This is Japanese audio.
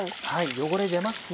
汚れ出ますね。